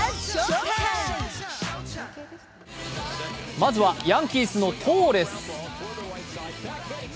まずはヤンキースのトーレス。